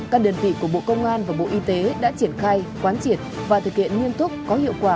các đơn vị của bộ công an và bộ y tế đã triển khai quán triển và thực hiện nghiên thức có hiệu quả